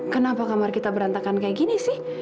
kenapa kamar kita berantakan kayak gini sih